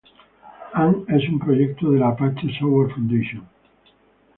Ant es un proyecto de la Apache Software Foundation.